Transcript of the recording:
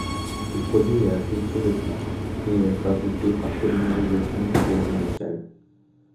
Ce produit est appelé Soreflon, et est fabriqué par polymérisation du gaz initial.